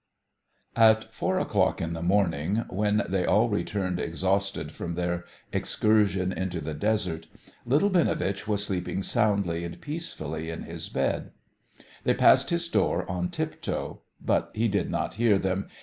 And at four o'clock in the morning, when they all returned exhausted from their excursion into the desert, little Binovitch was sleeping soundly and peacefully in his bed. They passed his door on tiptoe. But he did not hear them.